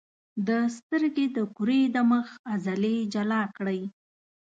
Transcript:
د سترګې د کرې د مخ عضلې جلا کړئ.